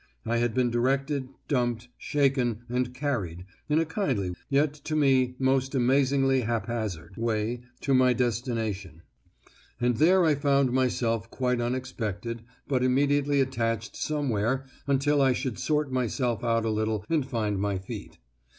I had been directed, dumped, shaken, and carried, in a kindly, yet to me most amazingly haphazard, way to my destination, and there I found myself quite unexpected, but immediately attached somewhere until I should sort myself out a little and find my feet.